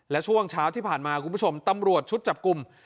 และช่วงเช้าที่ผ่านมาคุณผู้ชมตำรวจชุดจับกลุ่ม